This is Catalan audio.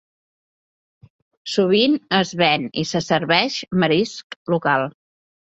Sovint es ven i se serveix marisc local.